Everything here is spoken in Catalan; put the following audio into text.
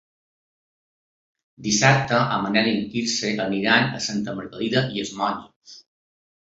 Dissabte en Manel i en Quirze aniran a Santa Margarida i els Monjos.